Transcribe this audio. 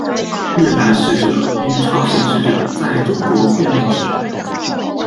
越南使者与朝鲜使者在中国会面时。